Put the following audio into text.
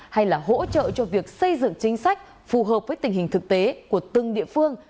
hay là hỗ trợ cho việc xây dựng chính sách phù hợp với tình hình thực tế của từng địa phương